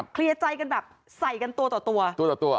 เคลียร์ใจกันแบบใส่กันตัวตัว